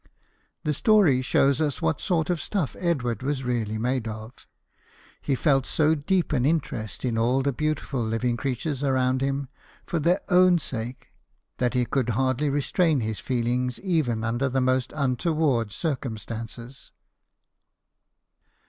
The story shows us what sort of stuff Edward was really made of. He felt so deep an interest in all the beautiful living creatures around him for their own sake, that he could hardly restrain his feelings even under the most untoward circum stances.